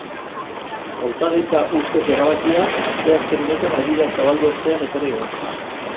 Hautagaitza uzteko erabakia asteazken honetan agiria zabaldu ostean etorri da.